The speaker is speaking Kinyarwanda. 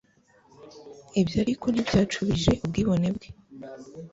ibyo ariko ntibyacubije ubwibone bwe